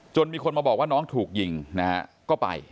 มีคนมาบอกว่าน้องถูกยิงนะฮะก็ไป